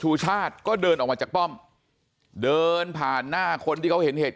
ชูชาติก็เดินออกมาจากป้อมเดินผ่านหน้าคนที่เขาเห็นเหตุ